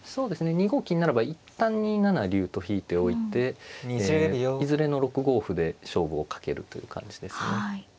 ２五金ならば一旦２七竜と引いておいていずれの６五歩で勝負をかけるという感じですね。